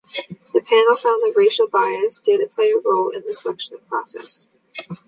The panel found that racial bias did play a role in the selection process.